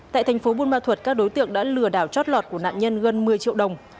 tại thành phố buôn ma thuật các đối tượng đã lừa đảo chót lọt của nạn nhân gần một mươi triệu đồng